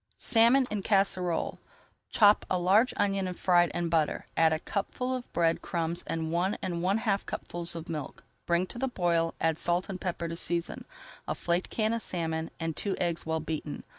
SALMON EN CASSEROLE Chop a large onion and fry it in butter. Add a cupful of bread crumbs and one and one half cupfuls of milk. Bring to the boil, [Page 304] add salt and pepper to season, a flaked can of salmon, and two eggs well beaten.